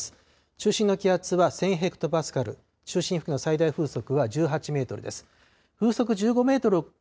中心の気圧は１０００ｈＰａ、中心付近の最大風速は１８メートルです。